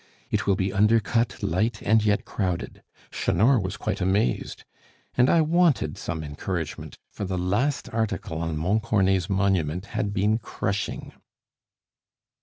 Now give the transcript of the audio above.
It will be undercut, light, and yet crowded. Chanor was quite amazed. And I wanted some encouragement, for the last article on Montcornet's monument had been crushing."